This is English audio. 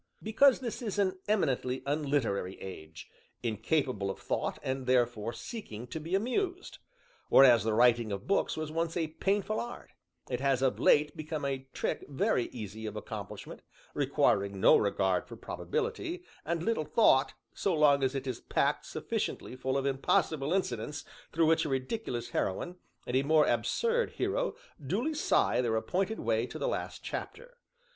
"Because this is an eminently unliterary age, incapable of thought, and therefore seeking to be amused. Whereas the writing of books was once a painful art, it has of late become a trick very easy of accomplishment, requiring no regard for probability, and little thought, so long as it is packed sufficiently full of impossible incidents through which a ridiculous heroine and a more absurd hero duly sigh their appointed way to the last chapter.